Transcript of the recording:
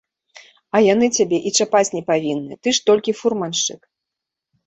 А яны цябе і чапаць не павінны, ты ж толькі фурманшчык.